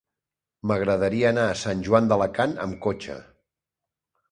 M'agradaria anar a Sant Joan d'Alacant amb cotxe.